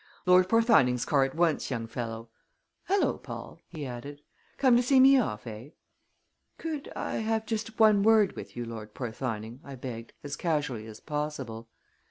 Lord Porthoning's car at once, young fellow! Hello, Paul!" he added. "Come to see me off, eh?" "Could I have just one word with you, Lord Porthoning?" I begged, as casually as possible.